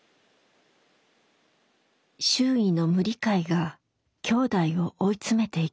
周囲の無理解がきょうだいを追い詰めていきます。